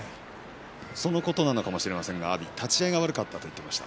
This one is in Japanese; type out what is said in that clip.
そのことなのかもしれませんが阿炎は立ち合いが悪かったと言っていました。